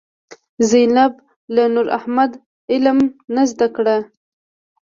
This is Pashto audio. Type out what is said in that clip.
زینبه له نورمحمد عالم نه زده کړه.